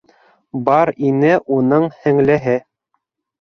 Бар ине уның һеңлеһе!